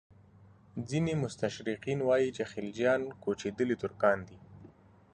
ځینې مستشرقین وایي چې خلجیان کوچېدلي ترکان دي.